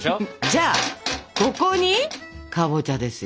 じゃあここにかぼちゃですよ。